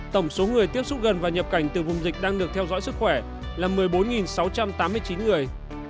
tổng số người tiếp xúc gần và nhập cảnh từ vùng dịch đang được theo dõi sức khỏe là một mươi bốn sáu trăm tám mươi chín người